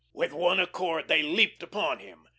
With one accord they leaped upon him.